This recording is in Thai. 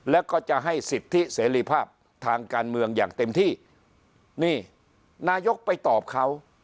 แล้วก็จะให้สิทธิเสรีภาพทางการเมืองอย่างเต็มที่นี่นายกไปตอบเขา